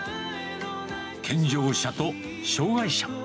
健常者と障がい者。